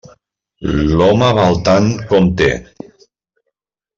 L'home val tant com té.